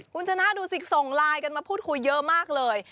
คุณชนะดูสิส่งไลน์กันมาพูดคุยเยอะมากเลย